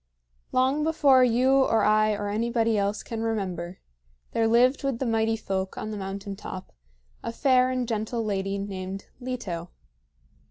Long before you or I or anybody else can remember, there lived with the Mighty Folk on the mountain top a fair and gentle lady named Leto.